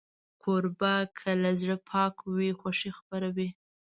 کوربه که له زړه پاک وي، خوښي خپروي.